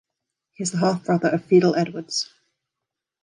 He is the half brother of Fidel Edwards.